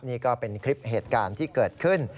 นี่ก็เป็นคลิปเหตุการณ์ที่เกิดขึ้น